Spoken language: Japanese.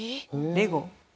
レゴ？